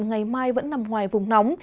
ngày mai vẫn nằm ngoài vùng nóng